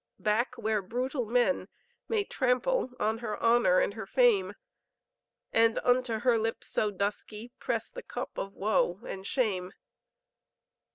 Back where brutal men may trample, On her honor and her fame; And unto her lips so dusky, Press the cup of woe and shame.